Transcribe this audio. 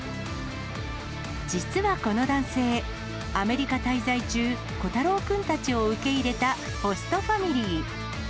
実はこの男性、アメリカ滞在中、虎太郎君たちを受け入れたホストファミリー。